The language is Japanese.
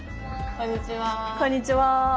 こんにちは。